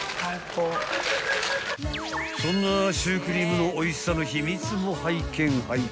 ［そんなシュークリームのおいしさの秘密も拝見拝見］